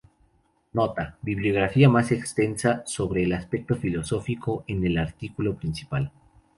Nota: Bibliografía más extensa sobre el aspecto filosófico en el artículo principal.